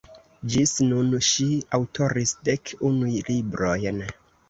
Ĝis nun ŝi aŭtoris dek unu librojn.